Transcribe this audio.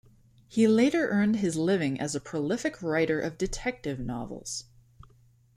He later earned his living as a prolific writer of detective novels.